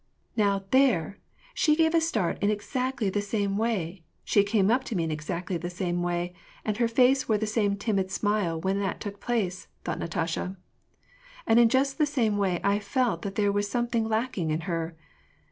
" Now, there ! she gave a start in exactly the same way, she came up to me in exactly the same way, and her face wore the same timid smile when that took place,*' thought Natasha. " And in just the same way I felt that there was something lacking in her.